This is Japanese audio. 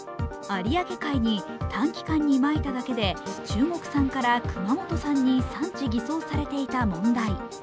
有明海に短期間にまいただけで中国産から熊本産に産地偽装されていた問題。